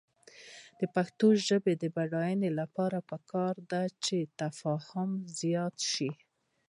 د پښتو ژبې د بډاینې لپاره پکار ده چې تفاهم زیات شي.